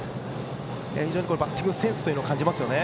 非常にバッティングセンスを感じますね。